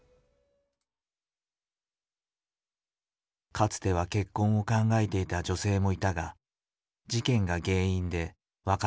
かつては結婚を考えていた女性もいたが事件が原因で別れていた。